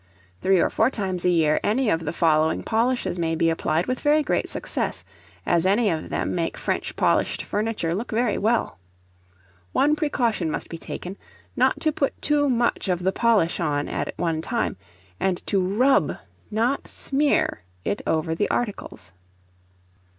Three or four times a year any of the following polishes may be applied with very great success, as any of them make French polished furniture look very well. One precaution must be taken, not to put too much of the polish on at one time, and to rub, not smear it over the articles.